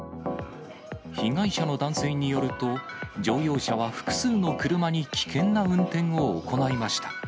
被害者の男性によると、乗用車は複数の車に危険な運転を行いました。